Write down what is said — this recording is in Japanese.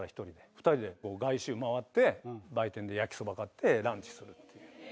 ２人で外周回って売店で焼きそば買ってランチするっていう。